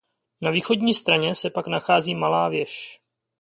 Na východní straně se pak nachází malá věž.